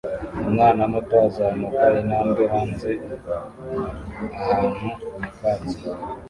Umwana muto azamuka intambwe hanze ahantu nyakatsi